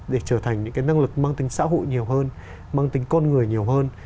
để trở thành những cái năng lực mang tính xã hội nhiều hơn mang tính con người nhiều hơn